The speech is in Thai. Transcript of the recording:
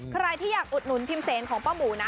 ใครที่อยากอุดหนุนพิมเซนของป้าหมูนะ